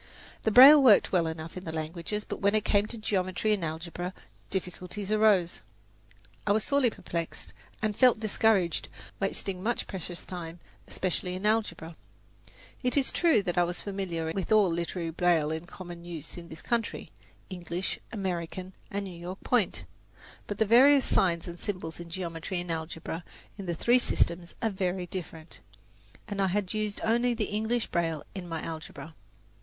The braille worked well enough in the languages, but when it came to geometry and algebra, difficulties arose. I was sorely perplexed, and felt discouraged wasting much precious time, especially in algebra. It is true that I was familiar with all literary braille in common use in this country English, American, and New York Point; but the various signs and symbols in geometry and algebra in the three systems are very different, and I had used only the English braille in my algebra.